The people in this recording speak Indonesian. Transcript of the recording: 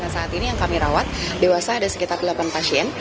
saat ini yang kami rawat dewasa ada sekitar delapan pasien